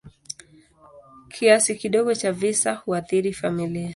Kiasi kidogo cha visa huathiri familia.